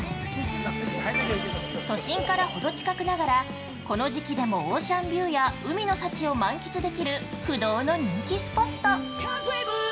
都心からほど近くながらこの時期でもオーシャンビューや海の幸を満喫できる不動の人気スポット。